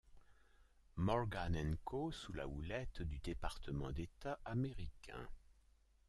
Morgan & Co., sous la houlette du département d'État américain.